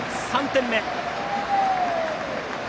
３点目。